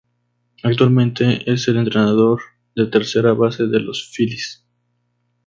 Actualmente es el entrenador de tercera base de los "Filis".